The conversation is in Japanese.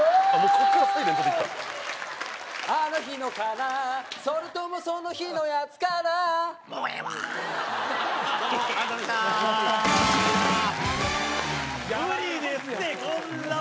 あの日のカナ、それともその日のやつカナ。